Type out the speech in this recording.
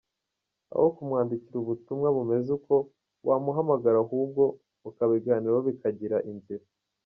Aho kumwandikira ubutumwa bumeze uko, wamuhamagara ahubwo mukabiganiraho bikagira inzira.